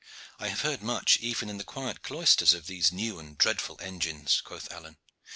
"I have heard much even in the quiet cloisters of these new and dreadful engines," quoth Alleyne.